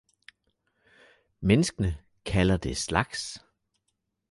Menneskene kalder det slags.